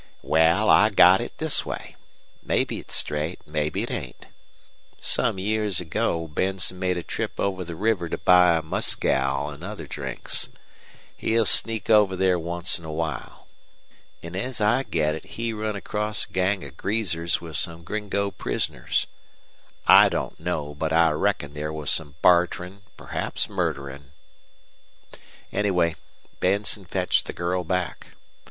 "Wal, I got it this way. Mebbe it's straight, an' mebbe it ain't. Some years ago Benson made a trip over the river to buy mescal an' other drinks. He'll sneak over there once in a while. An' as I get it he run across a gang of greasers with some gringo prisoners. I don't know, but I reckon there was some barterin', perhaps murderin'. Anyway, Benson fetched the girl back.